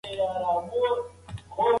د خدای له عذابه وویریږئ.